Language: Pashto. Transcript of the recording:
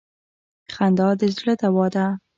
خندا د زړه دوا ده.